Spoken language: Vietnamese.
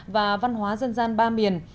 và văn hóa dân gian ba miền